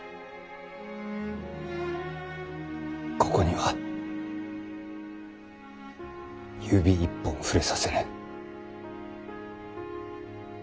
ここには指一本触れさせぬ。